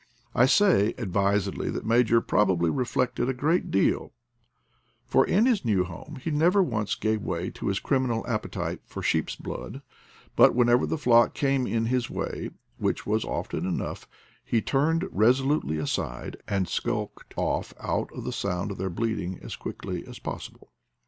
I say advisedly that Major probably reflected a great deal, for in his A DOG IN EXILE 67 new home he never once gave way to his criminal appetite for sheep's blood; but whenever the flock came in his way, which was often enough, he turned resolutely aside and skulked off out of the sound of their bleating as quickly as possible.